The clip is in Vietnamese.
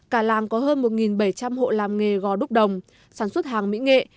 cả làng có hơn một bảy trăm linh hộ làm nghề gò đúc đồng sản xuất hàng mỹ nghệ